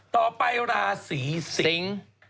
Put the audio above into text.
ต่อไปราศีสิง